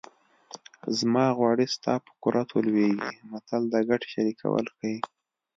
زما غوړي ستا په کورتو لوېږي متل د ګټې شریکول ښيي